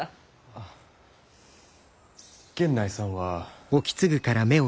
あ源内さんは。